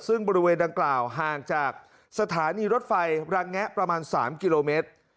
ซึ่งบริเวณดังกล่าวห่างจากสถานีรถไฟรังแงะประมาณ๓กิโลเมตร